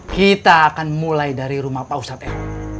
kita akan mulai dari rumah pak ustadz ya